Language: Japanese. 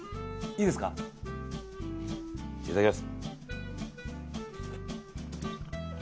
いただきます。